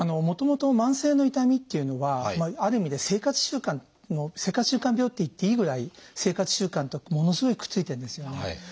もともと慢性の痛みっていうのはある意味で生活習慣の「生活習慣病」って言っていいぐらい生活習慣とものすごいくっついてるんですよね。